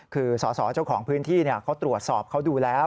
คือสอสอเจ้าของพื้นที่เขาตรวจสอบเขาดูแล้ว